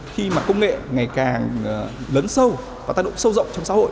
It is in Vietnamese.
khi mà công nghệ ngày càng lớn sâu và tác động sâu rộng trong xã hội